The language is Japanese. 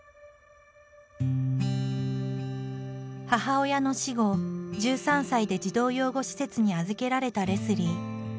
母親の死後１３歳で児童養護施設に預けられたレスリー。